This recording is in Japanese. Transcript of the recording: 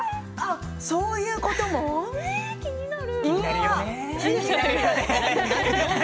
気になる。